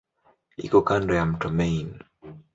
Iko kando ya mto Main.